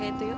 yuk yuk yuk